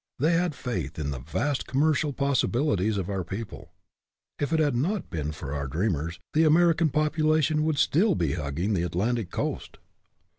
They had faith in the vast commercial possibilities of our people. If it had not been for our 64 WORLD OWES TO DREAMERS dreamers, the American population would still be hugging the Atlantic coast.